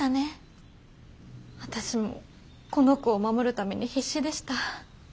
私もこの子を守るために必死でした。